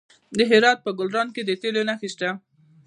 د هرات په ګلران کې د تیلو نښې شته.